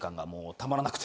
「たまらなくて」？